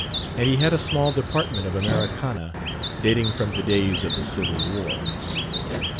And he had a small department of Americana, dating from the days of the Civil War.